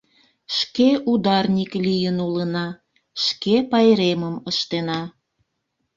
Шке ударник лийын улына, шке пайремым ыштена.